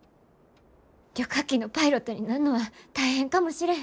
旅客機のパイロットになんのは大変かもしれへん。